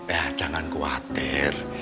yah jangan khawatir